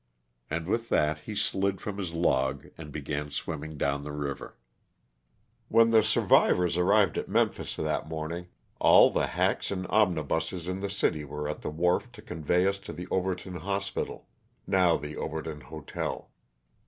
and with that he slid from his log and began swimming down the river. When the survivors arrived at Memphis that morn ing all the hacks and omnibusses in the city were at the wharf to convey us to the Overton Hospital — now the Overton Hotel.